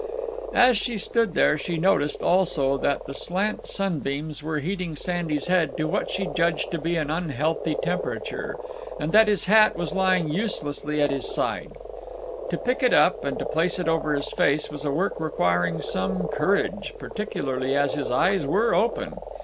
As she stood there she noticed, also, that the slant sunbeams were heating Sandy's head to what she judged to be an unhealthy temperature, and that his hat was lying uselessly at his side. To pick it up and to place it over his face was a work requiring some courage, particularly as his eyes were open.